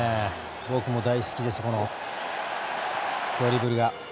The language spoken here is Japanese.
僕も大好きです、このドリブル。